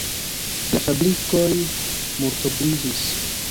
La fabrikoj multobliĝis.